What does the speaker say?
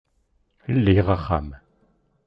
Liɣ axxam